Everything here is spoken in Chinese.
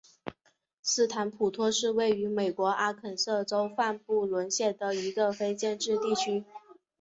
斯坦普托是位于美国阿肯色州范布伦县的一个非建制地区。